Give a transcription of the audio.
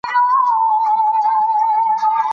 کوم توري یوازې په عربي ژبه کې شته؟